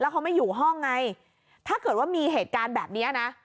เขาไม่อยู่ห้องไงถ้าเกิดว่ามีเหตุการณ์แบบนี้นะ